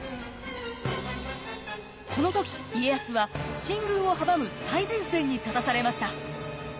この時家康は進軍を阻む最前線に立たされました。